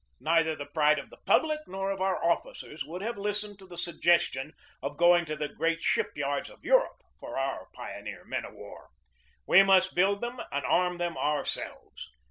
Neither the pride of our public nor of our officers would have listened to the suggestion of going to the great ship yards of Europe for our pioneer men of war. We must build them and arm them ourselves.